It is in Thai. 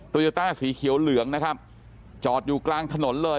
โยต้าสีเขียวเหลืองนะครับจอดอยู่กลางถนนเลย